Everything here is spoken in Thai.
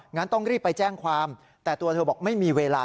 งั้นต้องรีบไปแจ้งความแต่ตัวเธอบอกไม่มีเวลา